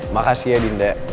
makasih ya dinda